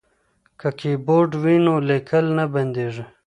که کیبورډ وي نو لیکل نه بندیږي.